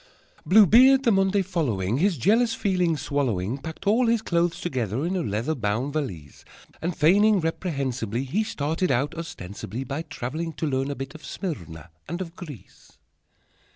Blue Beard, the Monday following, His jealous feeling swallowing, Packed all his clothes together In a leather Bound valise, And, feigning reprehensibly, He started out, ostensibly By traveling to learn a Bit of Smyrna And of Greece.